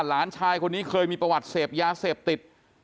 หลานชายคนนี้เคยมีประวัติเสพยาเสพติด